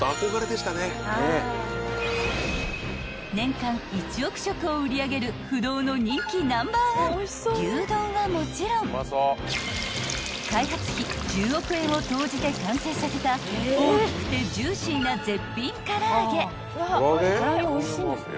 ［年間１億食を売り上げる不動の人気ナンバーワン牛丼はもちろん開発費１０億円を投じて完成させた大きくてジューシーな絶品から揚げ］